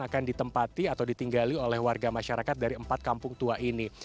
akan ditempati atau ditinggali oleh warga masyarakat dari empat kampung tua ini